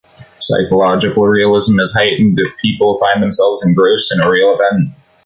Psychological realism is heightened if people find themselves engrossed in a real event.